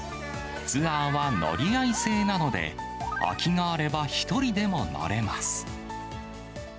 ツアーは乗り合い制なので、空きがあれば１人でも乗れます。